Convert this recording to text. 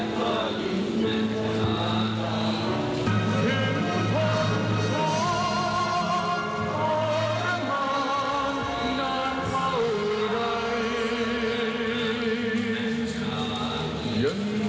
รักชาติของอาจรรย์